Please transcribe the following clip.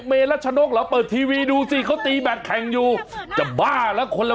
เมรัชนกเหรอเปิดทีวีดูสิเขาตีแบตแข่งอยู่จะบ้าแล้วคนละ